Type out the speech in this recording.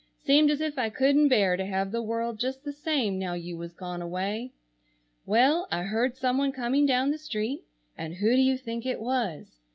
Seemed as if I couldn't bear to have the world just the same now you was gone away. Well, I heard someone coming down the street, and who do you think it was?